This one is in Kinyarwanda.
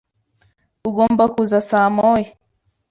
Ugomba kuza saa moya.